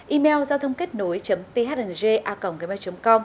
email giao thôngkếtnối thng com